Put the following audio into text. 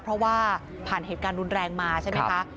เพราะว่าผ่านเหตุการณ์รุนแรงมาใช่ไหมคะ